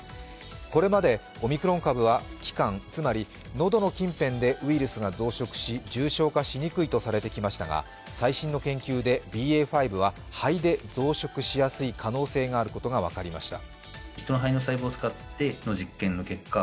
これまでオミクロン株は気管、つまり喉の近辺でウイルスが増殖し重症化しにくいとされてきましたが最新の研究でＢＡ．５は肺で増殖しやすい可能性があることが分かりました。